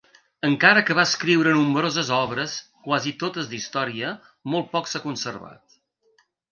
Encara que va escriure nombroses obres quasi totes d'història, molt poc s'ha conservat.